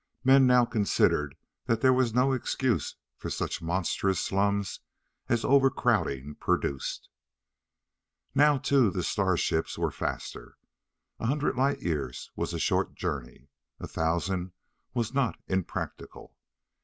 Men now considered that there was no excuse for such monstrous slums as overcrowding produced. Now, too, the star ships were faster. A hundred light years was a short journey. A thousand was not impractical.